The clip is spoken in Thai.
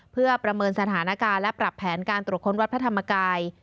เพื่อประเมินสถานการณ์และปรับแผนการตรวจค้นวัดพระธรรมกาย